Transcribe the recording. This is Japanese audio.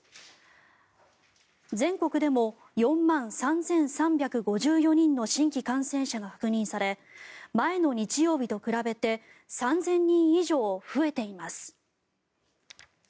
全国でも４万３３５４人の新規感染者が確認され前の日曜日と比べて３０００人以上増えています。